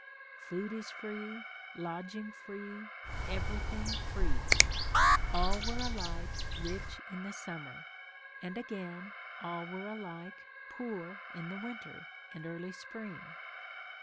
Food is free lodging free everything free! All were alike rich in the summer, and, again, all were alike poor in the winter and early spring.